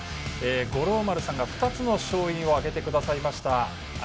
五郎丸さんが２つの勝因を挙げてくださいました。